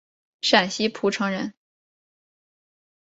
陕西蒲城人。